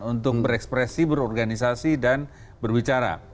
untuk berekspresi berorganisasi dan berbicara